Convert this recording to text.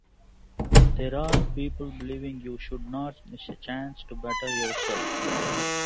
There are people believing you shouldn’t miss a chance to better yourself.